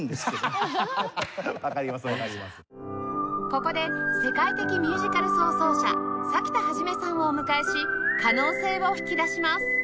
ここで世界的ミュージカルソー奏者サキタハヂメさんをお迎えし可能性を引き出します